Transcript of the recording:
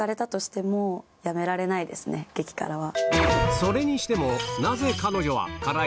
激辛は。